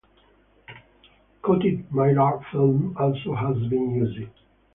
Coated mylar film also has been used.